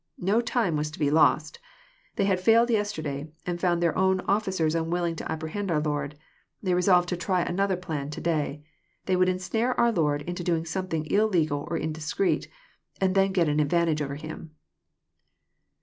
Ko time was to be lost. They bad failed yesterday, and found their own^fficers unwilling to apprehend our Lord. They resolved to try another plan to day. They would ensnare our Lord into doing something illegal or indis creet, and then get an advantage over Him.